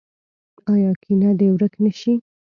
آیا کینه دې ورک نشي؟